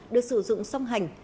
được sử dụng song hành